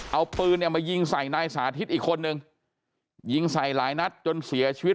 เอาปืนเนี่ยมายิงใส่นายสาธิตอีกคนนึงยิงใส่หลายนัดจนเสียชีวิต